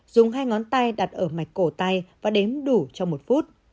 dùng hai ngón tay đặt ở mạch cổ tay và đếm đủ trong một phút